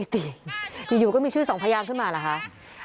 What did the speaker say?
ติอยู่ก็มีชื่อสองพยางขึ้นมาเหรอคะ